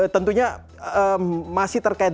tentunya masih terkait